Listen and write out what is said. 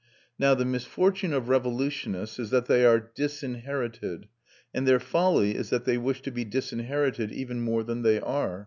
Now the misfortune of revolutionists is that they are disinherited, and their folly is that they wish to be disinherited even more than they are.